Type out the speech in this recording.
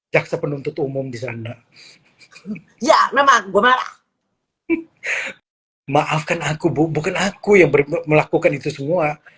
jaksa penuntut umum di sana ya memang aku marah maafkan aku bu bukan aku yang melakukan itu semua